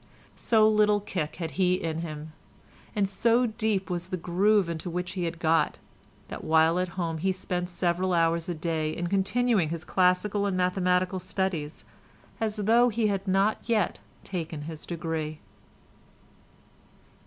So little kick had he in him, and so deep was the groove into which he had got, that while at home he spent several hours a day in continuing his classical and mathematical studies as though he had not yet taken his degree.